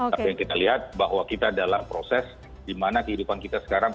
tapi yang kita lihat bahwa kita dalam proses di mana kehidupan kita sekarang